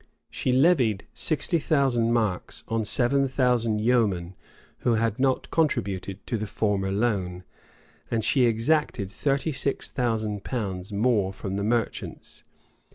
She levied sixty thousand marks on seven thousand yeomen who had not contributed to the former loan; and she exacted thirty six thousand pounds more from the merchants.